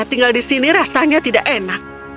tinggal di sini rasanya tidak enak